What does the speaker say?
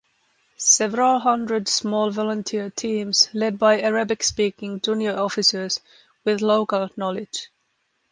Several hundred small volunteer teams led by Arabic speaking junior officers with local knowledge.